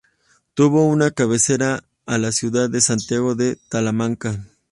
Tuvo como cabecera a la ciudad de Santiago de Talamanca.